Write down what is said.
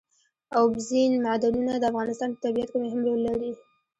اوبزین معدنونه د افغانستان په طبیعت کې مهم رول لري.